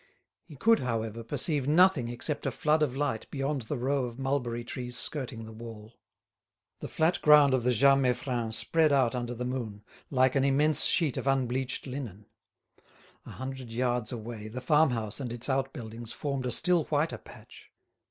He could, however, perceive nothing except a flood of light beyond the row of mulberry trees skirting the wall. The flat ground of the Jas Meiffren spread out under the moon like an immense sheet of unbleached linen; a hundred yards away the farmhouse and its outbuildings formed a still whiter patch.